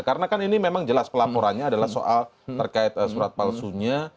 karena kan ini memang jelas pelaporannya adalah soal terkait surat palsunya